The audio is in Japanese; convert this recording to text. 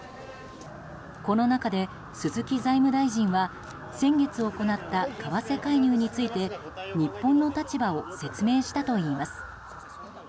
この中で鈴木財務大臣は先月行った為替介入について日本の立場を説明したといいます。